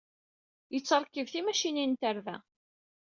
Yettṛekkib timacinin n tarda.